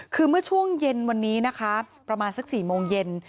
คือเมื่อช่วงเย็นวันนี้นะคะประมาณสัก๔โมงเย็น